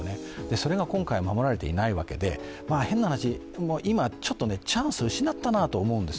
それが今回守られていないわけで、変な話、今、チャンスを失ったなと思うわけです。